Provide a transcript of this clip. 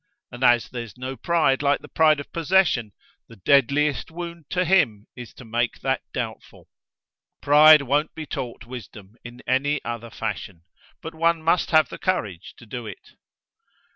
And as there's no pride like the pride of possession, the deadliest wound to him is to make that doubtful. Pride won't be taught wisdom in any other fashion. But one must have the courage to do it!"